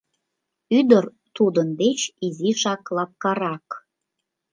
Ӱдыр тудын деч изишак лапкарак.